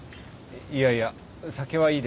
いやいや酒はいいです。